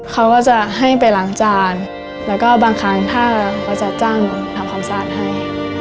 เขาก็จะให้ไปล้างจานแล้วก็บางครั้งถ้าเขาจะจ้างหนูทำความสะอาดให้